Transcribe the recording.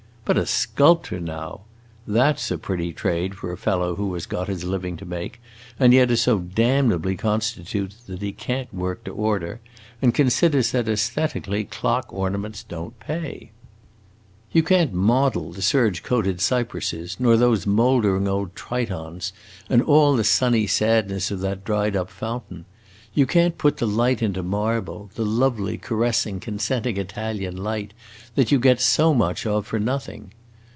But a sculptor, now! That 's a pretty trade for a fellow who has got his living to make and yet is so damnably constituted that he can't work to order, and considers that, aesthetically, clock ornaments don't pay! You can't model the serge coated cypresses, nor those mouldering old Tritons and all the sunny sadness of that dried up fountain; you can't put the light into marble the lovely, caressing, consenting Italian light that you get so much of for nothing.